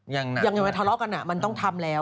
ยังไงมาทะเลาะกันมันต้องทำแล้ว